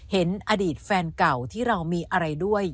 เห็นอดีตแฟนเก่าที่เรามีอะไรด้วย